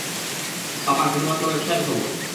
পাপা, শুধুমাত্র ব্যবসায়ের খবর।